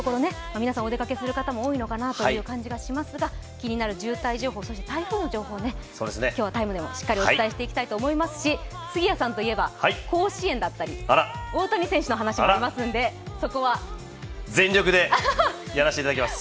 皆さんお出かけする方も多いのかなという感じがしますが気になる渋滞情報そして台風の情報を今日はしっかりお届けしたいと思いますし杉谷さんといえば甲子園だったり大谷選手の話もありますのでそこは全力でやらせていただきます！